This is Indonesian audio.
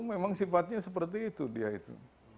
memang sifatnya seperti itu